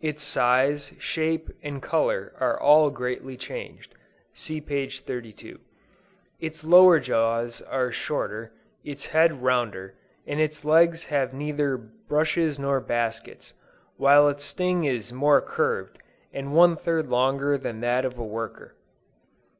Its size, shape and color are all greatly changed. (See p. 32.) Its lower jaws are shorter, its head rounder, and its legs have neither brushes nor baskets, while its sting is more curved, and one third longer than that of a worker.